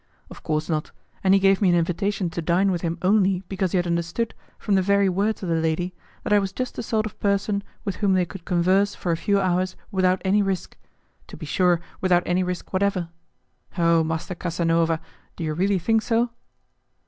Of course not, and he gave me an invitation to dine with him only because he had understood, from the very words of the lady, that I was just the sort of person with whom they could converse for a few hours without any risk; to be sure, without any risk whatever. Oh, Master Casanova! do you really think so?